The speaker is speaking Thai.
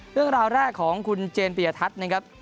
เรื่องราวแรกของคุณเจนปียทัศน์นะครับ